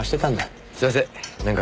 すいません。